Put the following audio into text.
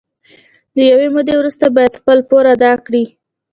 له یوې مودې وروسته باید خپل پور ادا کړي